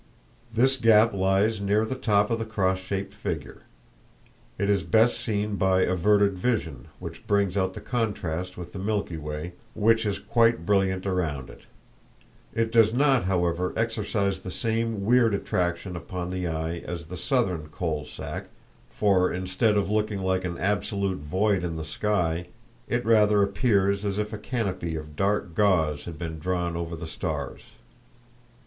This gap lies near the top of the cross shaped figure. It is best seen by averted vision, which brings out the contrast with the Milky Way, which is quite brilliant around it. It does not, however, exercise the same weird attraction upon the eye as the southern "Coal sack," for instead of looking like an absolute void in the sky, it rather appears as if a canopy of dark gauze had been drawn over the stars.